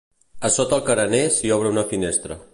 A sota el carener s'hi obre una finestra.